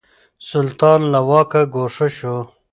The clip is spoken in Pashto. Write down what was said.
سلطان له واکه ګوښه شو.